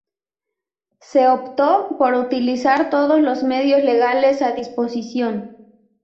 Se optó por utilizar todos los medios legales a disposición.